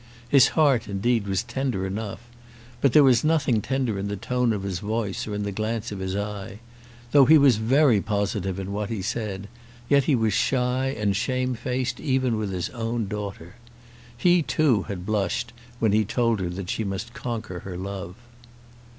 His heart, indeed, was tender enough, but there was nothing tender in the tone of his voice or in the glance of his eye. Though he was very positive in what he said, yet he was shy and shamefaced even with his own daughter. He, too, had blushed when he told her that she must conquer her love.